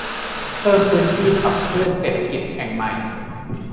เพิ่มพื้นที่ขับเคลื่อนเศรษฐกิจแห่งใหม่